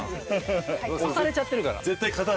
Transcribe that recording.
押されちゃってるから。